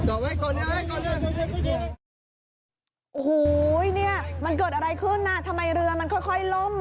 โอ้โฮมันเกิดอะไรขึ้นทำไมเรือมันค่อยล้ม